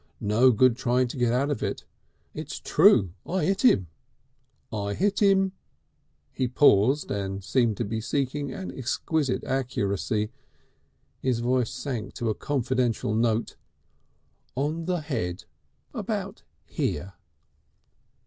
"No good trying to get out of it. It's true I hit him. I hit him" he paused and seemed to be seeking an exquisite accuracy. His voice sank to a confidential note; "On the head about here."